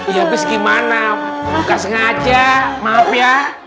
ya abis gimana bukan sengaja maaf ya